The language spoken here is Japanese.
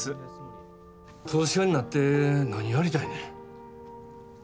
投資家になって何やりたいねん。